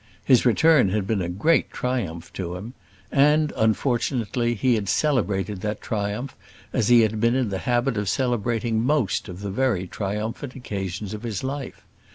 His return had been a great triumph to him; and, unfortunately, he had celebrated that triumph as he had been in the habit of celebrating most of the very triumphant occasions of his life.